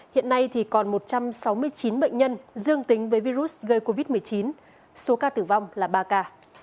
hiện nay còn một trăm sáu mươi chín bệnh nhân dương tính với virus gây covid một mươi chín số ca tử vong là ba ca